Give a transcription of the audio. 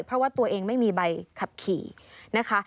เพราะว่าตัวเองไม่มีใบขับขี่นะคะ